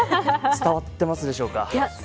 伝わってますでしょうか。